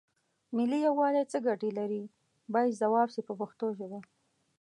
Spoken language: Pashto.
ملي یووالی څه ګټې لري باید ځواب شي په پښتو ژبه.